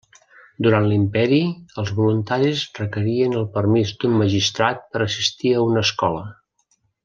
Durant l'imperi, els voluntaris requerien el permís d'un magistrat per assistir a una escola.